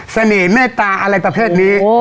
เสน่ห์แม่ตาอะไรประเภทนี้